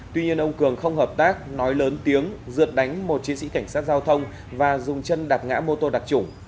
tuy nhiên ông cường không hợp tác nói lớn tiếng rượt đánh một chiến sĩ cảnh sát giao thông và dùng chân đạp ngã mô tô đặc trủng